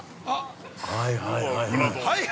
◆はい、はいはいはい。